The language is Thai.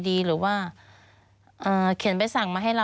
มันจอดอย่างง่ายอย่างง่าย